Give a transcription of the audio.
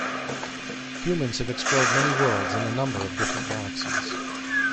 Humans have explored many worlds in a number of different galaxies.